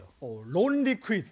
論理クイズ？